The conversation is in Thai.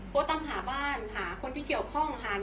โพสต์ตามหาบ้านหาคนที่เกี่ยวข้อง